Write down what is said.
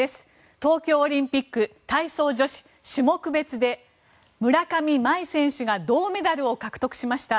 東京オリンピック体操女子種目別で村上茉愛選手が銅メダルを獲得しました。